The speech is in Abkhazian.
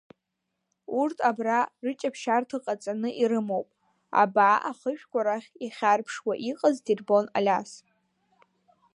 Урҭ абра рыҷаԥшьарҭа ҟаҵаны ирымоуп, абаа ахышәқәа рахь ихьарԥшуа иҟаз дирбон Алиас.